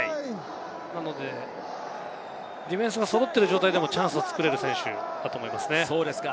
なのでディフェンスが揃っている状態でもチャンスが作れる選手だと思いますね。